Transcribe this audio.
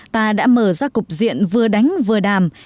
ta đã mở ra cục diện vừa đánh vừa đàm